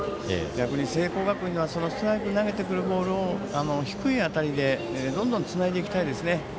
逆に聖光学院はストライクに投げてくるボールを低い当たりでどんどんつないでいきたいですね。